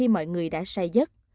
mọi người đã say giấc